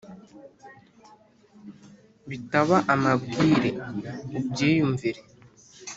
bitaba amabwire ubyiyumvire